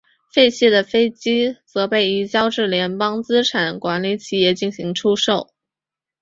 废弃的飞机则被移交至联邦资产管理企业进行出售。